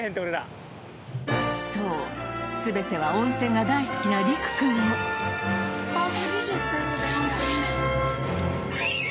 そう全ては温泉が大好きなリク君をアアー！